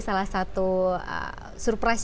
salah satu surprise